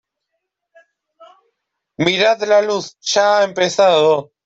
mirad la luz, ya ha empezado.